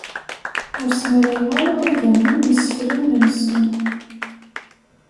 Ur smarayeɣ ara idammen n iseflen-nsen.